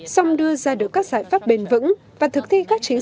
xong đưa ra được các giải pháp bền vững và thực thi các trường hợp